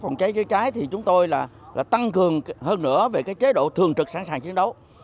phòng cháy chữa cháy thì chúng tôi là tăng cường hơn nữa về cái chế độ thường trực sẵn sàng chiến đấu